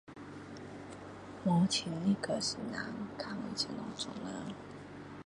帮亲戚和先生看我怎样做啦